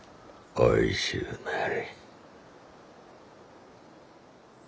おいしゅうなれ。